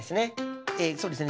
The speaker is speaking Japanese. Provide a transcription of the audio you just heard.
えそうですね